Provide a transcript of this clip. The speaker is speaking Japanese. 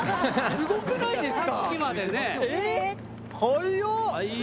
すごくないですか？